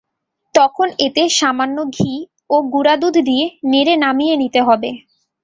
তখন এতে সামান্য ঘি ও গুঁড়া দুধ দিয়ে নেড়ে নামিয়ে নিতে হবে।